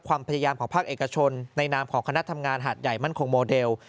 ความพยายามของภาคเอกชนในนามของคณะทำงานหาดใหญ่มั่นคงโมเดล